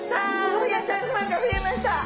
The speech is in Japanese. ホヤちゃんファンが増えました。